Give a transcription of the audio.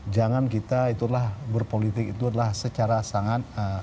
jangan kita itulah berpolitik itu adalah secara sangat